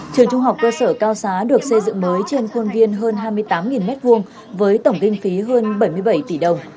trường trung học cơ sở cao xá được xây dựng mới trên khuôn viên hơn hai mươi tám m hai với tổng kinh phí hơn bảy mươi bảy tỷ đồng